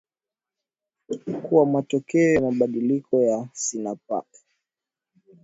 kuwa matokeo ya mabadiliko ya sinapti